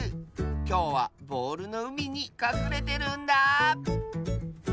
きょうはボールのうみにかくれてるんだあ。